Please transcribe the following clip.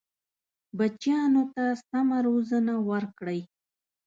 بچیانو ته سمه روزنه ورکړئ.